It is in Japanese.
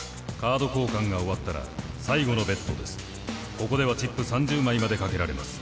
ここではチップ３０枚まで賭けられます。